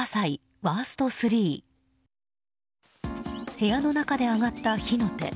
部屋の中で上がった火の手。